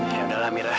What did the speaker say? ya udah lah mirah